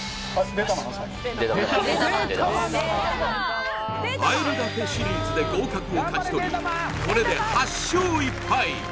データマンデータマンあえるだけシリーズで合格を勝ち取りこれで８勝１敗